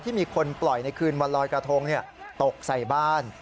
มีคนปล่อยในคืนวันลอยกระทงตกใส่บ้าน